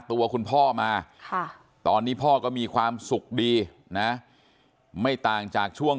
ตัวคุณพ่อมาตอนนี้พ่อก็มีความสุขดีนะไม่ต่างจากช่วง